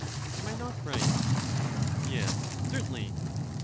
Am I not right ? Yes, certainly.